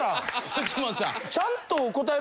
藤本さん。